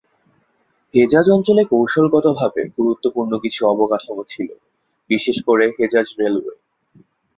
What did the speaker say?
হেজাজ অঞ্চলে কৌশলগতভাবে গুরুত্বপূর্ণ কিছু অবকাঠামো ছিল, বিশেষ করে হেজাজ রেলওয়ে।